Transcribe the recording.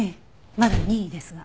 まだ任意ですが。